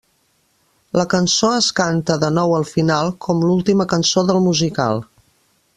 La cançó es canta de nou al final com l'última cançó del musical.